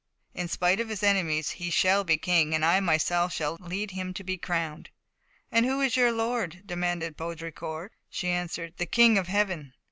In spite of his enemies he shall be king, and I myself shall lead him to be crowned." "And who is your Lord?" demanded Baudricourt. She answered, "The King of Heaven."